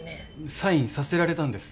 サインさせられたんです